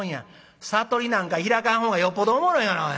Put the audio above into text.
「悟りなんか開かんほうがよっぽどおもろいがな。